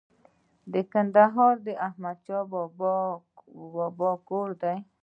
کندهار د احمد شاه بابا کور دی